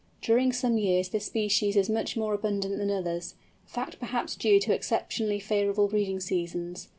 During some years this species is much more abundant than others, a fact perhaps due to exceptionally favourable breeding seasons.